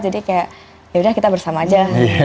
jadi kayak yaudah kita bersama aja